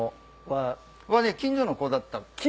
はね近所の子だったかな？